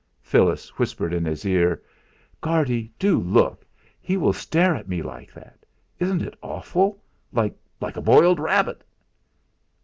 Phyllis whispered in his ear: "Guardy, do look; he will stare at me like that. Isn't it awful like a boiled rabbit?"